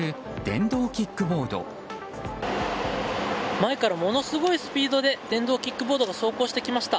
前からものすごいスピードで電動キックボードが走行してきました。